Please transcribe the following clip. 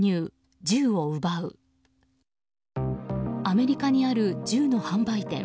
アメリカにある銃の販売店。